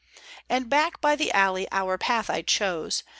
And back by the alley Our path I chose.